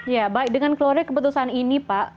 ya baik dengan keluarnya keputusan ini pak